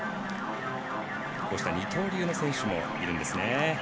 二刀流の選手もいるんですね。